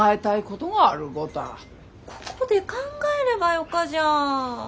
ここで考えればよかじゃん。